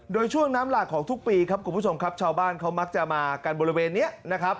โดยช่วงน้ำหลากของทุกปีครับคุณผู้ชมครับชาวบ้านเขามักจะมากันบริเวณนี้นะครับ